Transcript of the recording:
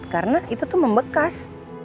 karena itu tuh membekas